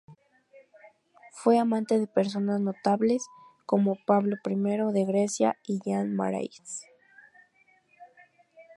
Fue amante de personas notables como Pablo I de Grecia y Jean Marais.